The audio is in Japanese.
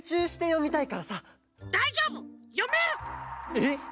えっ！？